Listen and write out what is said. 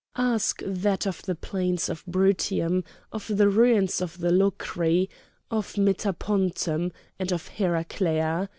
"Ask that of the plains of Brutium, of the ruins of Locri, of Metapontum, and of Heraclea!